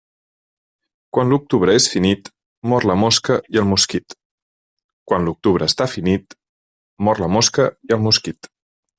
Quan l'octubre és finit, mor la mosca i el mosquit Quan l'octubre està finit, mor la mosca i el mosquit.